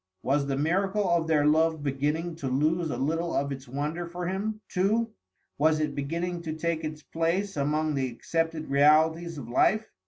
Was the miracle of their love beginning to lose a little of its wonder for him, too; was it beginning to take its place among the accepted realities of life?